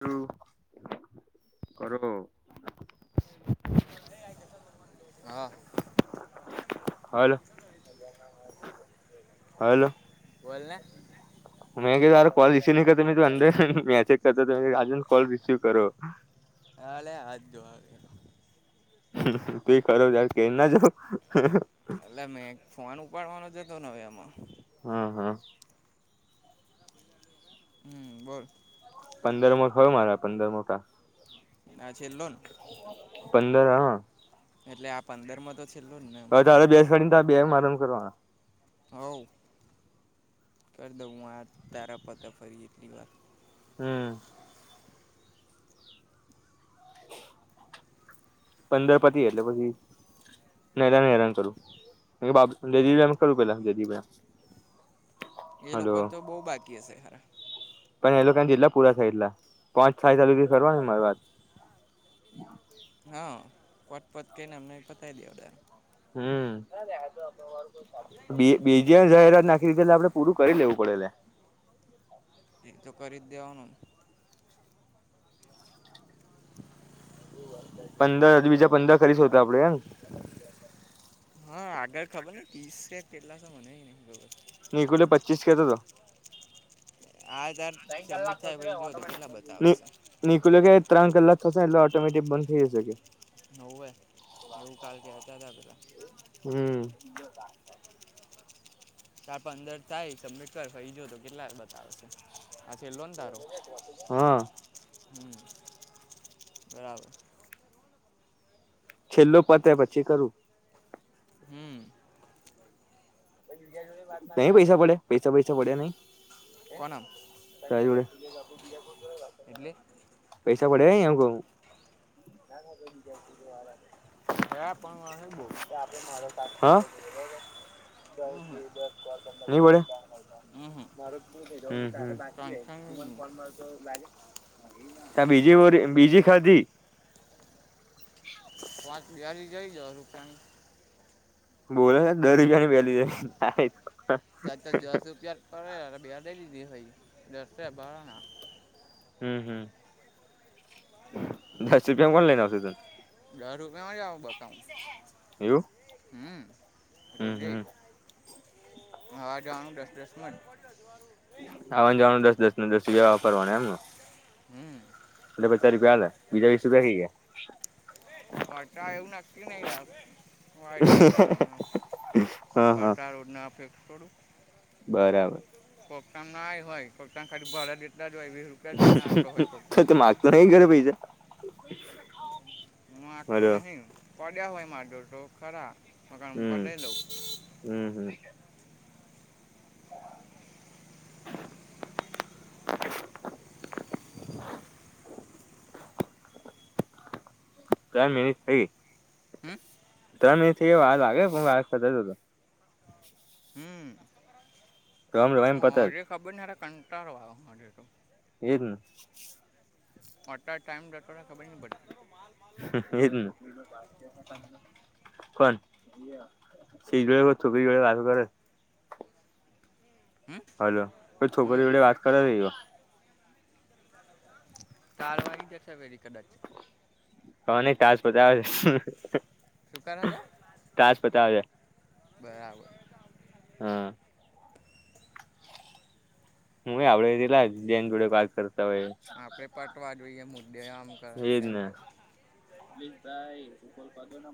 [unintelligible] કરો હા હાલ હાલો બોલ ને [inaudible] [inaudible] કોલ રિસીવ કરો હાલે હાધ [unintelligible] [inaudible] એટલે મેં ફોન ઉપાડવાનો જ હતો ને હવે એમાં હા હા હમ બોલ પંદરમો [unintelligible] પંદર મોટા આ છેલ્લો ને પંદર હ એટલે આ પંદરમો તો છેલ્લો જ ને એમ હવે તારે બેસવાડી [unintelligible] આરામ કરવાના હવ કરી દઉં હું આ તારા પતા ફરી એટલી વાર હમ [inaudible] પંદરપતિ જાય એટલે પહી [unintelligible] હેરાન કરું [unintelligible] એ હલો લોકોને તો બો બાકી હશે ખરા પણ એ લોકો જેટલા પુરા થાઈ એટલા પાંચ થાઈ [unintelligible] કરવારી વાત હા પોતપત [unintelligible] અમને પતાવી [unintelligible] હ [unintelligible] જાહેરાત નાખી એટલે આપડે પૂરું કરી લેવું પ [unintelligible] એતો કરી દેવાનું પંદર બીજા પંદર કરીશું તો આપડે એમ હા આગળ ખબર નઈ ત્રીસેક કેટલા મને નઈ ખબર નિકુલે પચીસ [unintelligible] આ તાર સબમિટ થાય પછી જો તો કેટલા બતાવે છે [unintelligible] ત્રણ કલાક થસે એટલે ઓટોમેટિક બંધ [unintelligible] નવ્વે એવું કાલ કહેતા હતા પેલા હમ તારા પંદર થાય સબમિટ કર કઈ જો તો કેટલા બતાવે છે આ છેલ્લો ને તારો હા હમ બરાબર છેલ્લો પતે પછી કરું હમ નહી પૈસા પડે પૈસા પૈસા પડ્યા નઈ કોના [inaudible] એટલે? પૈસા પડ્યા એવુ કહું [inaudible] હાં હમ નહી પડે હમ હમ ટેન્શન જ નહીં ત્યા બીજી વરી બીજી ખાધી વાચ દારી જઈ દહ રૂપિયાની બોલો ગરીબની પહેલી ત દસ રૂપિયા પડે બે દે દીધી હોઈ દસ રૂપિયા ભારના હમ હમ દસ રૂપિયા કોણ લઈને [unintelligible] દારૂપિયામાં જ એવું બતાવું હમ હમ રોજે હમ આવા જવાનું દસ દસ માજ આવા જવાનું દસ દસ ને દસ જાવા કરવાનું એમને? હમ પચાસ એટલે રૂપિયા હલા બીજા વીસ રૂપિયા કઈ ગયા? વા ટા એવું નાક્કી નહી વાઈટ ટણ હા હા ના [unintelligible] બરાબર કોપ્તાન ના હોય કપ્તાન ખાલી ભરા જેટલાં તો તો માગતો નહી ઘરે પહજે વાગતો નહિ પડ્યા હોય માધો તો ખરા હમ [unintelligible] હમ હમ [inaudible] [inaudible] ત્રણ મિનિટ થઈ હમ ત્રણ થી વાર લાગે પણ વા ખતો [unintelligible] આજે ખબર નહી કંટાળો આવ આજે તો એજ [inaudible] અટ્યારે ટાઈમ ડતો ખબર ન પ [unintelligible] કોણ [unintelligible] [inaudible] હમ હલો કો હમ છોકરી જોડે વાત કરે રહીયો ટાલવાની દેશે પેલી કદાચ ટાસ બદા શું કરે છે ટાસ્ક પતાવ્યા બરાબર હાં હું આવડેેલા બેન જોડે વાત કર આપડે પટવા જોઈએ મુદ્દે આમ કર એજ ને [unintelligible]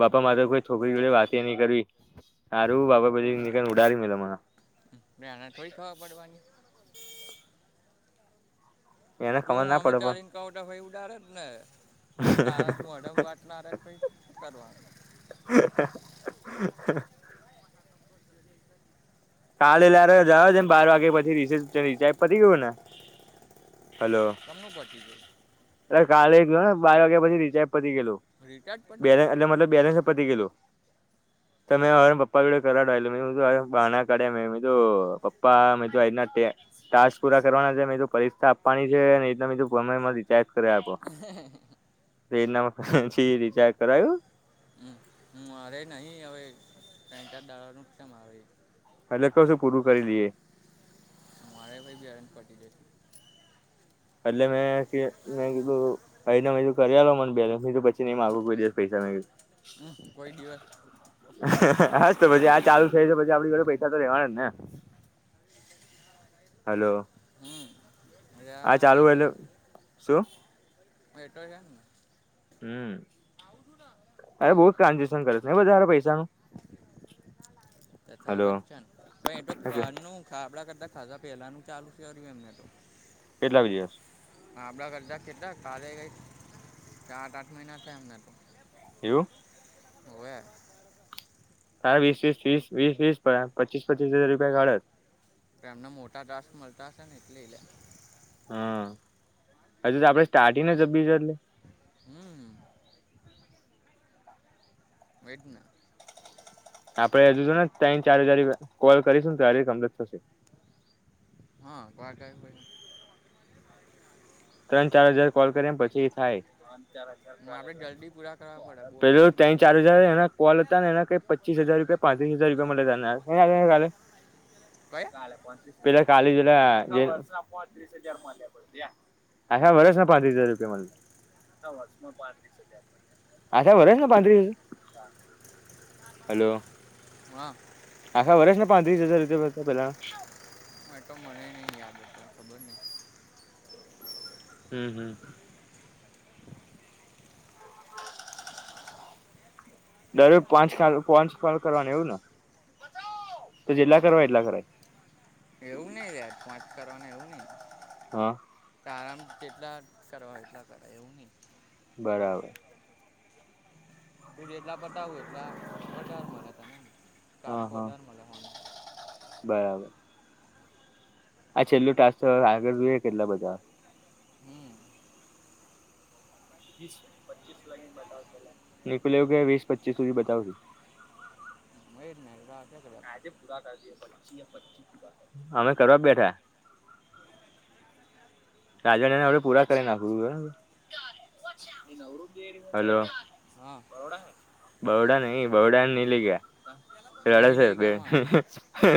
બાપા મા તો કોઈ છોકરી જોડે વાત એ નહી કરવી હારું બાબા એને થોડી ખબર પડવાની [unintelligible] એને ખબર તું ના હમે પડે પણ ચારીન કહો તો ભાઈ ઉડારે જ ને મોઢમા વાત ના રહે તો ભઈ શુ કરવાનું [inaudible] કાલે લાર જયા છે બાર વાગે પછી રીસેસ રિચાજ પતી ગયું ને હલો તમનું ઘટી જો એટલે કાલે ગ ને બાર વાગ્યા પછી રીચાર્જ પતી ગેું રિટાયર્ડ પડી બેલે ગયું એટલે મતલબ બેલેન્સ પતી ગેલુ. [unintelligible] ું પપ્પાના ટાસ્ક પૂરા કરવાના છે મે પરીક્ષા આપવાની છે. એટલે બીધું કયમાંીચાર્જ કરે આપો. [inaudible] એના પછ રિચાર્જ કરાયું હમ. મારે નહીં હવે ત્રણ ચાર દાડાનું ચે મારે એટલે કઉ શું પૂરું કરી દિએ મારે ભાઈ બેલેન્સ પટી જશે એટલે મેં ક મેં કીધું અ કરીઆલો મને બેલેન્સ પછી ની માગુ કોઈ દી પૈસા હમ કોઈ દિવસ હ તો પછી આ ચાલુ છે પછી આપ જોડે પૈસા તો રહેેવાના જ ને હલો હમ આ રહેવાના ચાલુ એલે શું હ એટો જાને [unintelligible] હમ અરે બઉ જ ટ્રાન્ઝેક્શન કરે છે એ વધારે પૈસાનું હલો તથા વચનનું ખાડા કરતા ખાધા પેલાનું ચાલુ કર્યું એમને તો કેટલા બજે આવ આપડા કરતા કેટલા કાલે કઈ સાત આઠ મહિના થાય એમના તો એવું હોવે હા વીસ વીસ વીસ વીસ વીસ પચીસ પચીસ હજાર રૂપિયા કાઢત એમને મોટા ત્રાસ મળતા હશે ને એટલે એ લે હ હજુ તો આપડે સ્ટાર્ટિંગને જપી એટલે હમ વેટના આપડે હજુ તો ને તૈણ ચાર હજારી કોલ કરીશું ને ત્યારે કમ્પ્લેટ થશે હા ક ક હોય [unintelligible] ત્રણ ચાર હજાર કોલ કર્યા પછી એ થાય આપણે જલ્દી પૂરા કરવા પડે બહુ પેલો ટાઈમ ના ત્યાય ચાર લેવાનો હજાર એના કોલ હતા ને એના ક પચીસ હજાર ર કયા [unintelligible] કાલે જલા જે વર્ષના પોત્રીસ હાજર મલ્યા બદડ્યા આખા વરસ ના પાંત્રિસ હજાર રૂપિયા મલ આખા વરસમાં પાંત્રીસ હજાર મલ્યા આખા વરસના પાંત્રીસ હલો વા આખા વર્ષ ને પાંત્રીસ હજાર રૂપિયાતા પેલાન ન યાદ હતા ખબર નહી હમ હમ દરે પાંચ કાલ પાંચ કોલ કરવાનું એવું ને તો જેટલા કરવાય એટલા કરાય એવું નહી લ્યા પાચ કરવાનાં એવું નહીં હા તારામ કેટલા કરવા એટલા કરાય એવું નહીં બરાબર તું જેટલા પતાવુ એટલા વધારે મલ તન એમ હા કાતો હા વધાર મલ તન બરાબર આ છેલ્લુ ટાસ્ક તો આગળ જોઈએ કેટલા બધા હમ [unintelligible] નીકલ એવું કે વીસ પચીસ સુધી બતાવશું [inaudible] મે [unintelligible] [unintelligible] અમે કરવા બેઠા રાજા [unintelligible] પૂરા કરી નાખું છું હો હવે. હલો. હા બરોડા નહીં, બરોડા ની લઈ ગયા. રડે નહીં સે લઈ ગયા બહેન. માણસ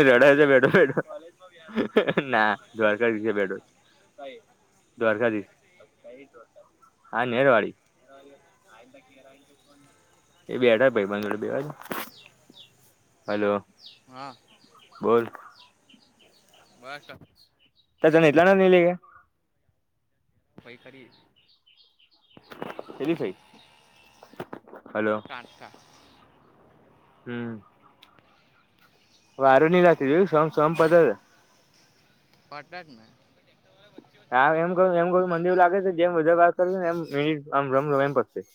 ર ડે સે બેઠો-બેઠો. ના [unintelligible] નીચે બેઠો છ. દ્વારકાધીશ, આ નેરવાડી. ઈ બેઠા ભાઈબંડ જોડે બેહવા દે. હલો. હા. બોલ. [unintelligible] તો તને એકલા ને નહીં લઈ ગયા. પહીં ખરી કેટલી થઈ? [unintelligible] હમ્મ. વારું નઇ લાગતી જોયું, સમ-સમ પતે સે. પતે જ ને. આમ એમ કહું છું એમ કહું છું મન તો લાગે છે જેમ વધારે વાત કરશું ને એમ ઈ આમ રમ-રમ પતશે. [unintelligible]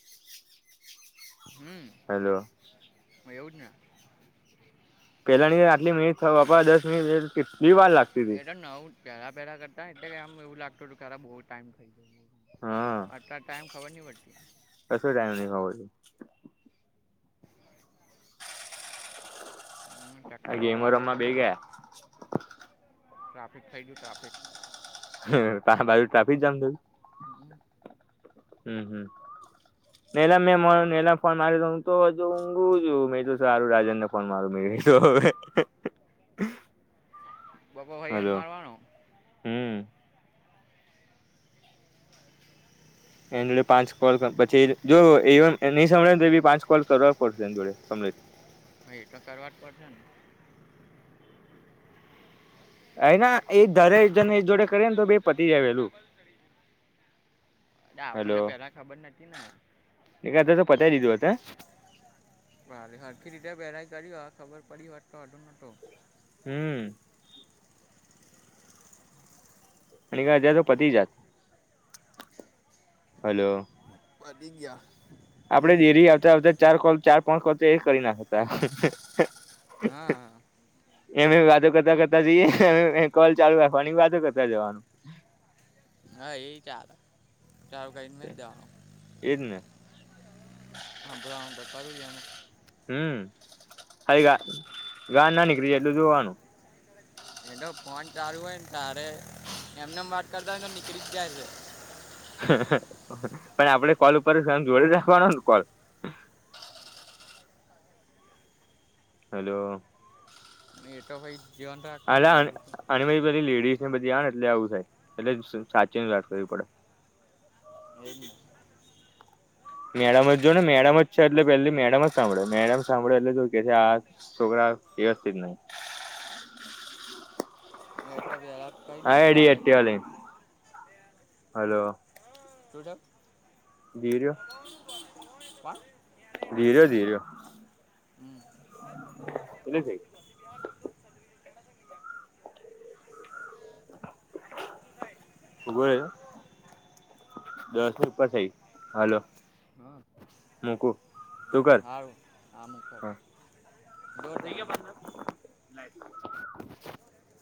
હમ્મ. એવું જ ને પહેલા ની તો આટલી મિનિટ થવા બાપા, દસ મિનટ [unintelligible] કેટલી વાર લાગ એ તો નવું જ, પહેલા-પહેલા કરતા એટલે કે આમ એવું લાગતું તું કે અરે બહું ટાઈમ થઈ ગયું. હા. કશું ટાઈમ નહીં [unintelligible] આ ટ્રેક્ટર વાળો ગેમો આડો રમવા પડ્યો બેહી ગયા. ટ્રાફિક થઈ ગયું ટ્રાફિક. તારા બાજુ ટ્રાફિક જામ થયું? હમ્મ-હમ્મ. [unintelligible] હું તો હજુ ઊંઘુ છું મે તો સારું રાજન ને ફોન મારું મે કીધુ હવે. બબો ભાઈ અન હલો. મારવાનો હમ્મ. એન જોડે પાંચ કોલ પછી જો એવન નહીં સંભળાય ને તો ભી પાંચ કોલ કરવા પડશે એન જોડે [unintelligible] [unintelligible] હા ઈ તો કરવા જ પડશે ને. આયના ઇ ધરે [unintelligible] જોડે કરે ને તો બેય પતી જાય વહેલું. એ આપણને પેલા ખબર નતી ને. એકાધા તો પતાઈ દીધું હોત હે. ભારે, હળખી રીતે વહેરાઈ કરી હોત ખબર પડી હોત વાંધો નતો. હમ્મ. [unintelligible] પતિ જાત, હલો. પતી ગયા. આપણે હમ ડેરીએ આવતા-આવતા ચાર કોલ, ચાર પાંચ કોલ તો એ કરી નાખતા. હા. એમ-એમ વાતો કરતા-કરતા જઈએને કોલ ચાલુ રાખવાની, વાતો કરતા જવાનું. હા એ [unintelligible] નથ જવાનું. એજ ને કરું છે એમાં હમ્મ. ખાલી ગા ગાળ ના નીકળી જાય એટલું જોવાનું. એ તો ફોન ચાલુ હોયને ત્યારે એમને એમ વાત કરતા હોય ને તો નીકળી જ જાય છે. પણ આપણે કોલ ઉપર [unintelligible] જોડી રાખવાનોને કોલ. [unintelligible] હેલો. [unintelligible] અલા રાખવાનું અને બીજું શું અને બધી બધી લેડીસ ને બધી [unintelligible] [unintelligible] ને. એટલે આવું થાય એટલે સાચીવીને વાત કરવી પડે. [inaudible] મેડમ જ જોને મેડમ જ છે, એટલે પેલી મેડમ જ સાંભળે મેડમ સાંભળે એટલે જો કે છે, આ છોકરા. વ્યવસ્થિત નહી. હા એડી એક્ટિવા લઈને [inaudible] [inaudible] [unintelligible] ધીરયો. કોણ. ધીર્યો ધીર્યો હમ તને છે. ઉભો રહ્યો દસ ઉપર થઈ હાલો. મૂકું તું [unintelligible] કર હારું હ [unintelligible] [unintelligible]